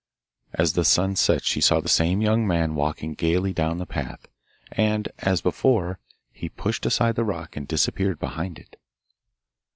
As the sun set she saw the same young man walking gaily down the path, and, as before, he pushed aside the rock and disappeared behind it.